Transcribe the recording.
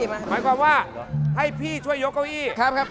หมายความว่าให้พี่ช่วยยกเก้าอี้ครับ